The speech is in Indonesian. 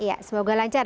iya semoga lancar